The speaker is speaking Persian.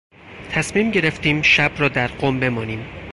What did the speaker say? تصمیم گرفتیم شب را در قم بمانیم.